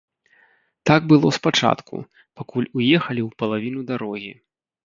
Так было спачатку, пакуль уехалі ў палавіну дарогі.